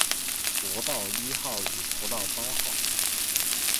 國道一號與國道八號